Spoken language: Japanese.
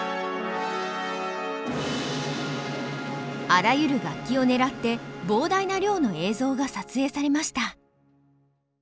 あらゆる楽器を狙って膨大な量の映像が撮影されました。